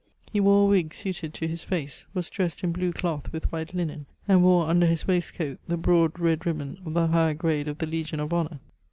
He wore a wig suited to his face, was dressed in blue cloth with white linen, and wore under his waistcoat the broad red ribbon of the higher grade of the Legion of Honor.